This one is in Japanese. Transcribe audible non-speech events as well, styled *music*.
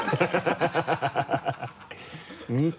ハハハ *laughs*